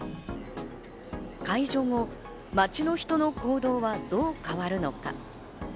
解除後、街の人の行動はどう変わるのか。